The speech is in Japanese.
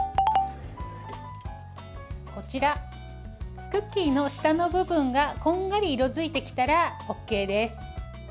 こちら、クッキーの下の部分がこんがり色づいてきたらＯＫです。